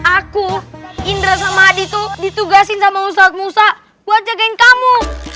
aku indra sama hadi itu ditugasin sama ustaz musa buat jagain kamu